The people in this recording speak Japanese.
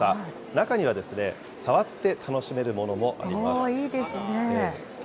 中には、触って楽しめるものもあいいですね。